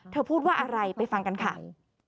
พูดว่าอะไรไปฟังกันค่ะ